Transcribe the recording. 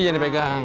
ini yang dipegang